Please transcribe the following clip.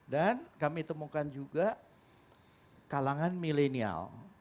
dan kami temukan juga kalangan milenial